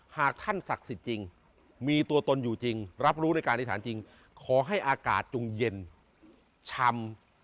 หากท่านศักดิ์สิทธิ์จริงมีตัวตนอยู่จริงรับรู้ด้วยการอธิษฐานจริงขอให้อากาศจงเย็นชำ